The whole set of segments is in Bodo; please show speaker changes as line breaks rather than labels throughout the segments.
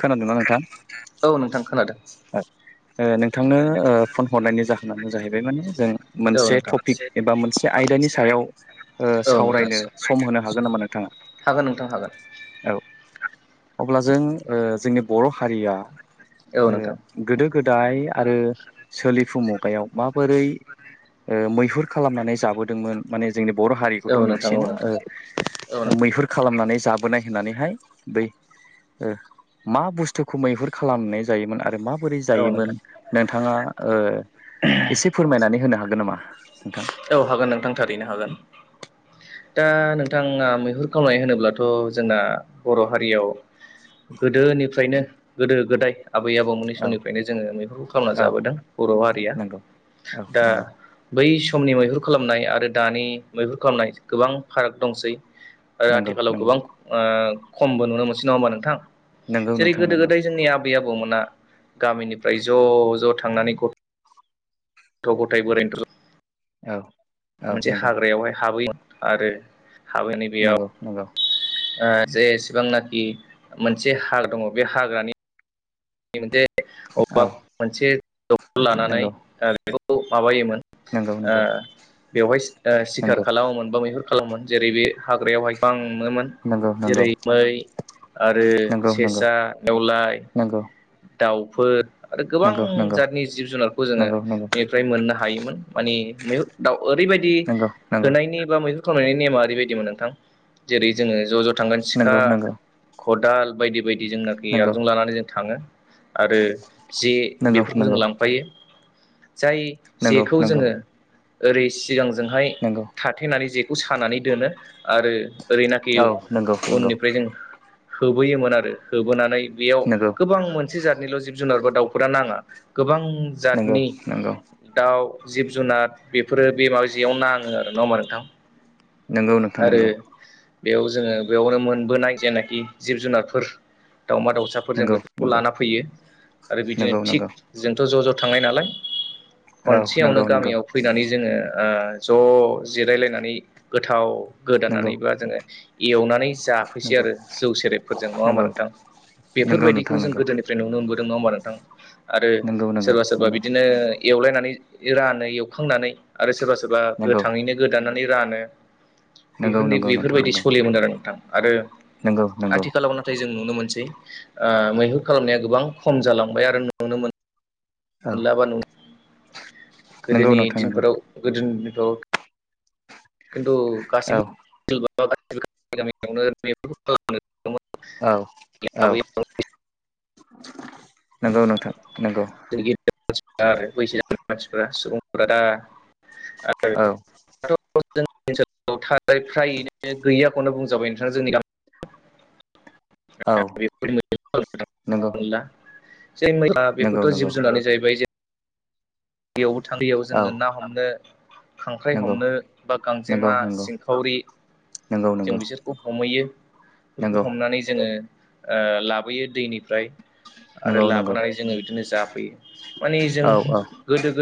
खोनादोंना नोंथां
औ नोंथां खोनादों
ओ नोंथांनो फन हरनायनि जाहोनानो जाहैबाय माने जों
औ
मोनसे
नोंथां
टपिक एबा मोनसे आयदानि सायाव ओ
औ नोंथां
सावरायनो सम होनो हागोन नामा नोंथाङा
हागोन नोंथां हागोन
औ अब्ला जों जोंनि बर' हारिया
औ नोंथां
गोदो गोदाय आरो सोलिफुु मु मुगायाव माबोरै मैहुर खालामनानै जाबोदोंमोन माने जोंनि बर'
औ
हारिखौथ'
नोंथां औ
मिथियोना
नोंथां औ नोंथां
मैहुर खालामनानै जाबोनाय नानैहाय बै मा बुस्थुखौ मैहुर खालामनाय जायोमोन आरो मा माबोरै
औ
जायोमोन
नोंथां
नोंथाङा ओ एसे फोरमायनानै होनो हागोन नामा? नोंथां
औ हागोन नोंथां थारैनो हागोन
[inaudible]
दा नोंथाङा मैहुर खालामनाय होनोब्लाथ' जोंना बर' हारियाव गोदोनिफ्रायनो गोदो गोदाय आबै आबौमोननि
औ
समनिफ्रायनो जोङो मैहुर खालामना
औ
जाबोदों बर' हारिया
नंगौ औ
दा
नंगौ
बै समनि मैहुर खालामनाय आरो दानि मैहुर खालामनाय गोबां फाराग दंसै आरो
नंगौ
आथिखालाव
नंगौ
गोबां आ खमबो नुनो मोनसै नङा होमबा नोंथां
नंगौ
जेरै
नोंथां
गोदो
नंगौ
गोदाय जोंनि आबै आबौ आबौ मोना गामिनिफ्राय ज' ज' थांनानै गथ' गथ' गथाय बोराइ बेन्थ'
औ औ
मोनसे
नंगौ
हाग्रायावहाय हाबै आरो हाबैै बेयाव
नंगौ नंगौ
जेसेबांनाखि मोनसे हार दङ बे हाग्रानि मोनसे
औ
मोनसे लानानै
नंगौ
बेखौ माबायोमोन।
नंगौ
ओ बेवहाय सिखार
नंगौ
खालामोमोन बा मैहुर खालामोमोन जेरै बे हाग्रायावहाय गोबां हमोमोन
नंगौ
जेरै
नंगौ
मै आरो
नंगौ
सेसा नेवलाय
नंगौ
दाउफोर आरो गोबां
नंगौ नंगौ
जातनि जिब जुनारखौ जोङो
नंगौ नंगौ
बेनिफ्राय मोननो हायोमोन मानि मैहुर दाउ ओरैबायदि
नंगौ
होनायनि बा मैहुर खालामनायनि नेमा ओरैबायदिमोन नोंथां जेरै जों ज' ज' थांगोन
नंगौ
सिखा
नंगौ नंगौ
खदाल बायदि बायदि जोंनाखि आगजु लानानै जों थाङो आरो जे
नंगौ नंगौ
बेफोरखौ जों लांफायो जाय
नंगौ
जेखौ
नंगौ
जोङो ओरै सिगांजोंहाय
नंगौ
थाथेनानै जेखौ सानानै दोनो आरो ओरैनाखि
औ नंगौ नंगौ
उननिफ्राय जों होबोयोमोन आरो होबोनानै बेयाव
नंगौ
गोबां मोनसे जतनिल' जिब जुनारबो दाउफोरा नाङा गोबां
नंगौ
जातनि
नंगौ
दाउ जिब जुनार बेफोरो बे माबा जेयाव नाङो आरो ना होमबा नोंथां
नंगौ नोंथां
आरो
नंगौ
बेयाव जोङो बेयावनो मोनबोनाय जेनाखि जिब जुनारफोर दाउमा दाउसाफोर जों
नंगौ
बेफोरखौ
नंगौ
लाना फैयो आरो बिदिनो
नंगौ
थिग
नंगौ
जोंथ' ज' ज' थांनाय नालाय
औ
खनसेयावनो
नंगौ नंगौ
गामियाव फैनानै जोङो ओ ज' जिरायलायनानै गोथाव
नंगौ
गोदानानैबा जोङो एवनानै जाफैैसै
नंगौ
आरो जौ सेरेबफोरजों नङा होनबा
नंगौ
नोंथां
नंगौ
बेफोरबायखौ
नोंथां
जों
नंगौ
गोदोनिफ्रायनो मोनबोदों नङा होमबा नोंथां आरो
नंगौ नंगौ
सोरबा सोरबा
नंगौ
बिदिनो एवलायनानै रानो एवखांनानै आरो सोरबा सोरबा
नंगौ
गोथाङैनो गोदानानै रानो।
नंगौ
बेफोर
नंगौ नोंथां
बेफोरबायदि
नंगौ
सोलियोमोन आरो नोंथां आरो
नंगौ नंगौ
आथिखालाव नाथाय जों नुनो मोनसै। आ मैहुर खालामनाया गोबां खम जालांबाय आरो नुनो मोनो।
औ
मोनला बा
नंगौ
गोदोनि
नोंथां नंगौ
दिनफोराव गोदोनि खिन्थु
औ
गासैबो गासैबो गामियावनो बेफोरखौ खालामनो
औ औ नंगौ नोंथां नंगौ
आरो बैसो जानाय मानसिफोरा सुबुंफोरा दा
औ।
दाथ' जोंनि ओनसोलाव थारै फ्रायैनो गैयाखौनो बुंजाबाय नोंथां जोंनि गामि
औ नंगौ
[unintelligible] जे मै
नंगौ
बेफोरथ'
नंगौ
जिब जुनारनि जाहैबाय बैयावबो थां बैयावबो
औ
जोङो ना हमनो खांख्राइ
नंगौ
हमनो बा
नंगौ
गांजेमा
नंगौ
सिंखावरि
नंगौ नंगौ
जों बिसोरखौ हमहैयो बेफोरखौ
नंगौ
हमनानै जोङो लाबोयो दैनिफ्राय आरो
नंगौ नंगौ
लाबोनानै जोङो बिदिनो जाफैयो माने जों
औ औ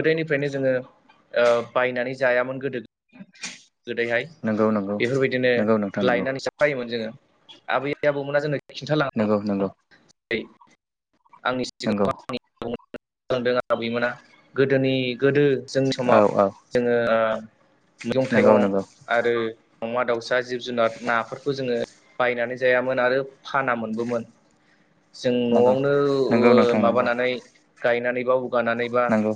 फ्रायनो जोङो ओ बायनानै जायामोन गोदो गोदैहाय
नंगौ नंगौ
बेफोरबायदिनो
नंगौ नोंथां नंगौ
लायनानै साफायोमोन जोङो। आबै आबौमोना जोंनो खिन्थालां
नंगौ नंगौ
[unintelligible] आंनि
नंगौ
सिगां [unintelligible] आबैमोना गोदोनि गोदो जोंनि
औ
समाव
औ
जोङो ओ मैगं
नंगौ
थाइगं
नंगौ
आरो अमा, दाउसा जिब जुनार नाफोरखौ जोङो बायनानै जायामोन आरो फाना मोनबोमोन जों न'आव
नंगौ
नो
नंगौ नोंथां
माबानानै गायनानै बा उगानानै बा
नंगौ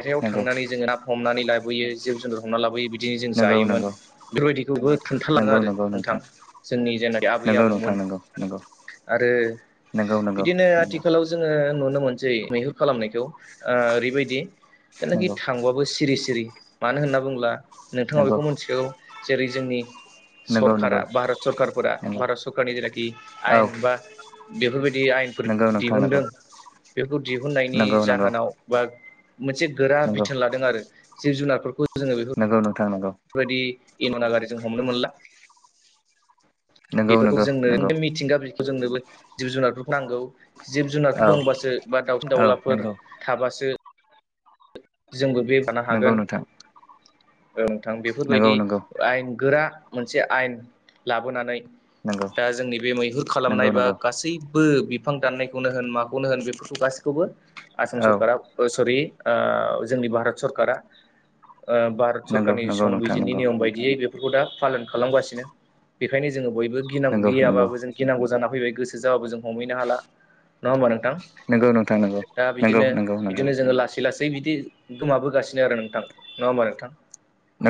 [unintelligible]
नंगौ
थांनानै जोङो ना हमनानै लाबोयो जिब जुनार हमना लाबोयो बिदि बिदिनो जों
नंगौ
जायोमोन बेफोरबायदिखौबो खोन्थालाङो
नंगौ नंगौ
आरो नोंथां। जोंनि जेननाखि आबै
नंगौ नोंथां
आबौमोन
नंगौ
आरो
नंगौ नंगौ
बिदिनो
नंगौ
आथिखालाव जोङो नुनो मो मोनसै मैहुर खालामनायखौ ओ ओरैबायदि जायनाखि
नंगौ
थांबाबो सिरि सिरि मानो होनना बुङोब्ला नोंथाङा
नंगौ
बेखौ मिथिखागौ जेरै जोंनि
नंगौ नंगौ
सरकारा भारत सरकारफोरा
नंगौ
भारत सरकारनि जेनाखि
औ
आयेन बा बेफोरबायदि जदि आयेनफोर
नंगौ नोंथां नंगौ
दिहुनदों बेखौ दिहुननायनि
नंगौ नंगौ
जाहोनाव बा मोनसे गोरा
नंगौ
बिथोन लादों आरो जिब जुनारफोरखौ जोङो
नंगौ नोंथां नंगौ।
बेफोरबायदि इन'ना गारिजों हमनो मोनला।
नंगौ नंगौ
बेफोरखौ
नंगौ
जोंनो मिथिंगा बेखौ जोंनो जिब जुनार फोरखौ नांगौ। जिब
औ
जुनारफोर दंबासो बा दावउसिन
औ
दाउलाफोर
नंगौ
थाबासो जोंबो बे [unintelligible]
नंगौ
हागोन।
नोंथां
औ नोंथां
नंगौ
बेफोरबायदि
नंगौ
आयेन गोरा मोनसे आयेन लाबोनानै
नंगौ
दा जोंनि बे मैहुर खालामनाय
नंगौ
बा
नंगौ
गासै बो बिफां दाननायखौनो होन माखौनो होन बेफोरखौ गासैखौबो आसाम
औ
सरकारा ओ सरि ओ जोंनि भारत सरकारा ओ भारत
नंगौ
सरकारनि
नंगौ नोंथां
संबिजितनि
नंगौ
नियम बायदियै बे बेखौ दा फालन खालामगासिनो बेखायनो जोङो बयबो गिनांगौ
नंगौ नंगौ
गैयाबाबो जों गिनांगौ जाना फैबाय। गोसो जाबाबो जों हमैनो हाला नङा होमबा नों थां?
नंगौ नोंथां नंगौ
दा
नंगौ
बिदिनो
नंगौ नंगौ
बिदिनो जोङो लासै लासै जै बिदि गोमाबोगासिनो आरो नोंथां नङा होमबा नोंथां?
नंगौ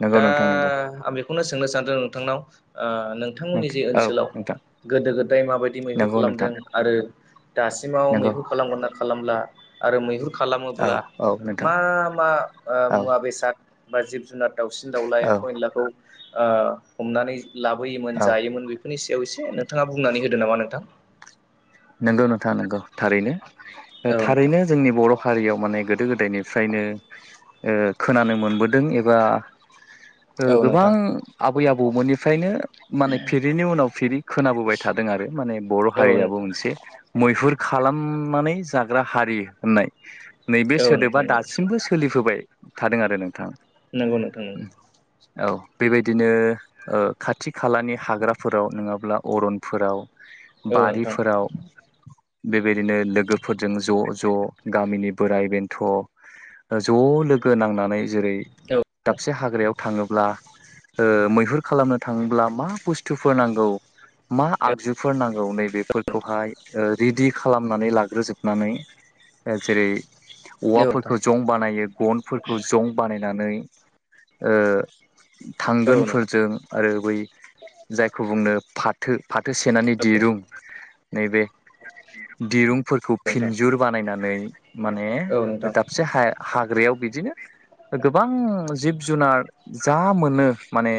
नंगौ
दा
नोंथां नंगौ
आं बेखौनो सोंनो सानदों नोंथांनाव ओ नोंथांमोननि जे
औ
ओनसोलाव
नोंथां
गोदो गोदाय माबायदि मैहुर
नंगौ नोंथां
खालामदों आरो दासिमाव
नंगौ
मैहुर खालामगोना खालामला आरो मैहुर
औ
खालामोब्ला
औ नोंथां
मा मा ओ
औ
मुवा बेसाद बा जिब जुनार दाउसिन दाउला
औ
एम्फौ एनलाखौ ओ हमनानै लाबोयोमोन
औ
जायोमोन बेफोरनि सायाव एसे नोंथाङा बुंनानै होदो नामा नोंथां?
नंगौ नोंथाङा नंगौ थारैनो
औ नोंथां
थारैनो जोंनि बर' हारियाव माने गोदो गोदायनिफ्रायनो ओ खोनानो मोनबोदों एबा
औ
गोबां
नोंथां
आबै आबौमोननिफ्रायनो माने फिरिनि उनाव फिरि खोनाबोबाय थादों आरो माने बर'
औ
हारियाबो
नोंथां
मोनसे मैहुर खालामनानै जाग्रा हारि होननाय। नैबे
औ
सोदोबा
नोंथां नंगौ
दासिमबो सोलिफोबाय थादों आरो नोंथां।
नोंगौ नोंथां नंगौ।
औ बेबायदिनो ओ खाथि - खालानि हाग्राफोराव नङाब्ला अरनफोराव
औ नोंथां
बारिफोराव बेबायदिनो लोगोफोरजों ज' - ज' गामिनि बोराय- बेन्थ' ज' लोगो नांनानै जेरै
औ
दाबसे हाग्रायाव थाङोब्ला ओ मैहुर खालामनो थाङोब्ला मा बुस्थुफोर नांगौ मा आगजुफोर नांगौ नैबेफोर खौहाय ओ रेडि खालामनानै लाग्रोजोबनानै जेरै
औ नोंथां
औवाफोरखौ जं बानायो गनफोरखौ जं बानायनाय नानै ओ
औ नोंथां
थांगोनफोरजों आरो बै जायखौ बुंनो फाथो फाथो सेनानि दिरुं नैबे दिरुंफोरखौ फिनजुर बानायनानै माने
औ नोंथां
दाबसे हाय हाग ग्रायाव बिदिनो गोबां जिब - जुनार जा मोनो माने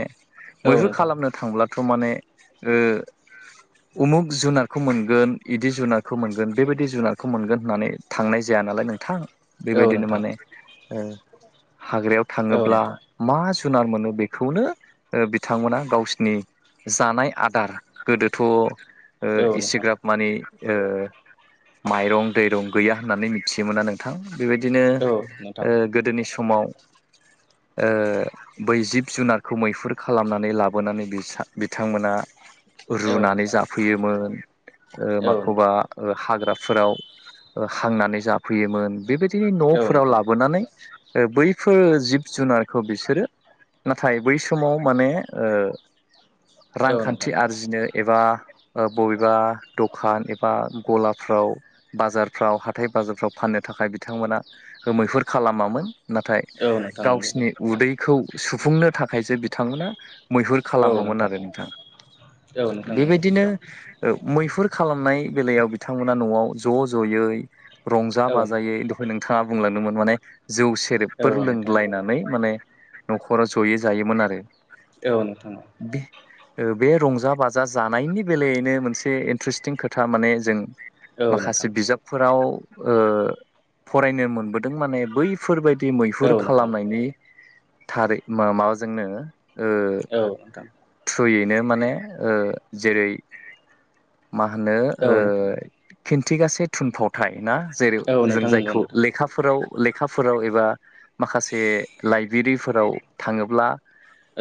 औ
मैहुर
नोंथां
खालामनो थांब्लाथ माने ओ उमुग जुनार खौ मोनगोन बिदि जुनारखौ मोनगोन बेबायदि जुनारखौ मोनगोन होननानै थांनाय जाया नालाय नोंथां
औ
बेबायदिनो
नोंथां
माने ओ हाग्रायाव
औ नोंथां औ
थाङोब्ला
नोंथां
मा जुनार मोनो बेखौनो ओ बिथांमोना गावसिनि जानाय आदार गोदोथ ओ
औ नोंथां
एसेग्राब माने ओ माइरं दैरं गैया होननानै मिथियोमोना नोंथां बेबायदिनो
औ नोंथां
ओ गोदोनि समाव ओ बै जिब- जुनारखौ मैहुर खालामनानै लाबोनानै बिसां बिथांमोना
औ
रुनानै
नोंथां
जाफैयोमोन ओ
औ
माखौबा ओ हाग्राफोराव हांनानै जाफैयोमोन बेबायदि न'फोराव
नोंथां
लाबोनानै ओ बैफोर जिब- जुनारखौ बिसोरो नाथाय बै समाव माने ओ
औ
रांखान्थि
नोंथां
आरजिनो एबा ओ बबेबा बा दखान एबा गलाफ्राव बाजारफ्राव हाथाय - बाजारफ्राव फाननो थाखाय बिथांमोन मोना मैहुर खालामामोन नाथाय
औ नोंथां नंगौ
गावसिनि उदैखौ सुफुंनो थाखायसो बिथांमोना मैहुर खालामोमोन आरो नोंथां
औ नोंथां नंगौ
बेबायदिनो मैहुर खालामनाय बेलायाव बिथांमोना नआव ज जयै रंजा
औ नोंथां
बाजायै दहाय नोंथाङा बुंलांदोंमोन माने जौ सेरेबफोर
औ नोंथां
लोंग्लायनानै माने नखराव जयै जायोमोन आरो
औ नोंथां
ओ बे रंजा- बाजा जानायनि बेलायैनो मोनसे इन्ट्रेस्टिं खोथा माने जों
औ नोंथां
माखासे बिजाबफोराव ओ फरायनो मोनबोदों माने बैफोरबाय दि
औ नोंथां
मैहुर
औ नोंथां
खालामनायनि थारै मा माबाजोंनो ओ
औ नोंथां
थ्रुयैनो माने ओ जेरै मा होनो
औ
ओ खिन्थिगासे थुनफावथाय ना जेरै जों
नोंथां नंगौ
जायखौ
नोंथां
लेखाफोराव - लेखाफोराव एबा माखासे लाइब्रेरिफोराव थाङोब्ला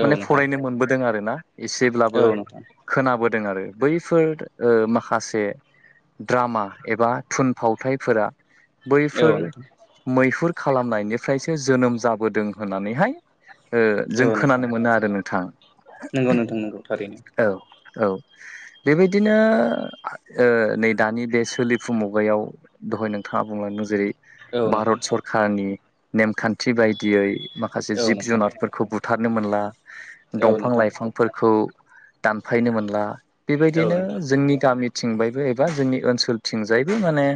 माने
औ नोंथां औ नोंथां
फरायनो मोनबोदों आरो ना एसेब्लाबो
औ नोंथां
खोनाबोदों आरो बैफोर ओ माखासे द्रामा एबा थुनफावथायफोरा बैफोर
औ
मैहुर खालामनायनिफ्रायसो जोनोम जाबोदों होननानैहाय ओ जों खोनानो
नोंथां
मोनो आरो नोंथां
नंगौ नोंथां नंगौ थारैनो
औ औ बेबायदि बिदिनो ओ नै दानि बे सोलिफु मुगायाव दहाय नोंथाङा बुंलांदों जेरै
औ नोंथां
भारत सरखारनि नेमखान्थि बायदियै माखासे
औ
जिब
नोंथां
जुनारफोरखौ बु थारनो मोनला
औ
दंफां
नोंथां
लाइफांफोरखौ दानफायनो मोनला
औ
बिदिनो
नोंथां
जोंनि गामिथिंबायबो एबा जोंनि ओनसोलथिंजाय बे माने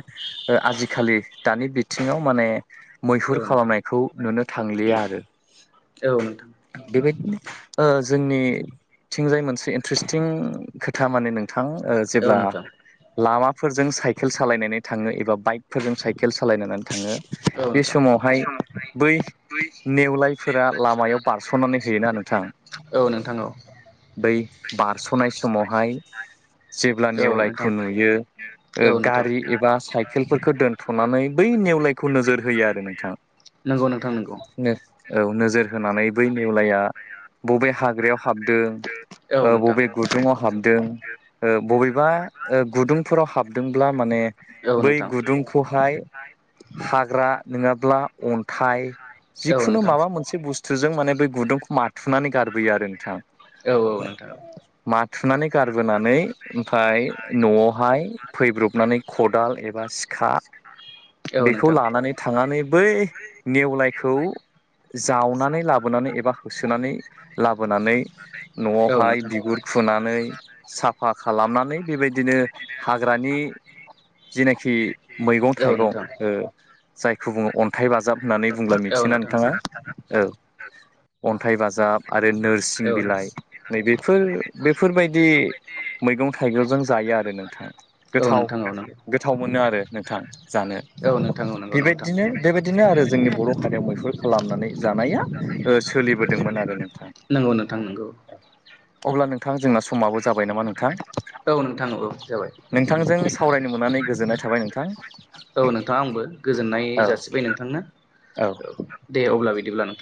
ओ आजिखालि दानि बिथिङाव माने
औ
मैहुर
नोंथां
खालामनायखौ नुनो थांलिया आरो
औ नोंथां
बेबायदिनो ओ जोंनिथिंजाय मोनसे इन्टारेस्टिं खोथा माने नों थां
औ
जेब्ला
नोंथां
लामाफोरजों साइकेल सालायनानै थाङो एबा बाइकफोरजों साइकेल सालायनानै थाङो
औ
बे
नोंथां
समावहाय बै नेवलायफोरा लामायाव बारसनानै होयोना नोंथां
औ नोंथां औ
बै बारस'नाय समावहाय जेब्ला नेवलायखौ नुयो ओ
औ नोंथां औ नोंथां
गारि एबा साइकेलफोरखौ दोनथ' बै नेवलायखौ नोजोर होयो आरो नोंथां
नंगौ नोंथां नंगौ
नो औ नो नोजोर होनानै बै नेवलाया बबे हाग्रायाव हाबदों
औ
ओ
नोंथां
बबे गुदुङाव हाबदों। ओ बबेबा ओ गुदुंफोराव हाबदोंब्ला माने
औ
बै
नोंथां
गुदुंखौहाय हाग्रा नोङाब्ला अन्थाइ
औ नोंथां औ
जिखुनु
नोंथां औ नोंथां
माबा मोनसे बुस्थुजों माने बै गुदुंखौ माथुनानै गारबोयो आरो नोंथां।
औ औ नोंथां।
थुनानै गारबोनानै ओमफाय न'आवहाय फैब्रबनानै खदाल एबा सि खा बेखौ
नोंथां
लानानै थांनानै बै नेवलायखौ जावनानै लाबोनानै एबा होसोनानै लाबोनानै
औ
न'आवहाय
नोंथां
बिगुर खुनानै साफा खालामनानै बेबाय बिदिनो हाग्रानि जेनेखि मैगं थाइगं ओ जायखौ बुङो अन्थाइ बाजाब होननानै बुंब्ला मिथिना नोंथाङा औ अन अन्थाइ बाजाब आरो
औ नोंथां
नोरसिं
औ
बिलाइ
नंगौ
नैबेफोर बेफोरबायदि मैगं थाइगंजों जायो आरो नोंथां
औ
गोथाव गोथाव मोनो आरो। नोंथां जानो
नोंथां औ नंगौ नोंथां
बेबायदिनो बेबायदिनो आरो जोंनि बर' हारियाव मैहुर खालाम नानै जानाया ओ सोलिबोदोंमोन आरो नोंथां।
नंगौ नोंथां नंगौ
अब्ला नोंथां जोंना समाबो जाबाय नामा नोंथां?
औ नोंथां औ जाबाय
नोंथांजों सावरायनो मोननानै गोजोननाय थाबाय नों
औ नोंथाङा आंबो गोजोननाय
औ
जासिबाय नोंथांनो औ दे अब्ला बिदिब्ला नों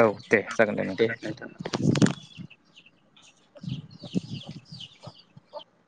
औ दे जागोन दे नोंथां। [unintelligible]